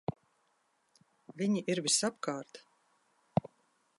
Viņi ir visapkārt!